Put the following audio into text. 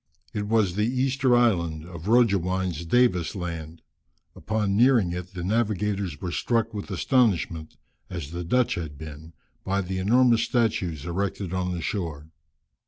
It was the Easter Island, of Roggewein's Davis' Land. Upon nearing it, the navigators were struck with astonishment, as the Dutch had been, by the enormous statues erected on the shore.